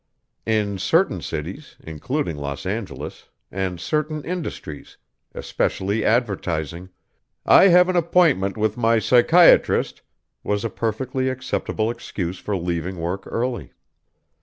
In certain cities including Los Angeles and certain industries especially advertising "I have an appointment with my psychiatrist" was a perfectly acceptable excuse for leaving work early.